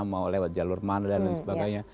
mau lewat jalur mana